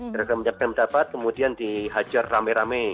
gara gara menyampaikan pendapat kemudian dihajar rame rame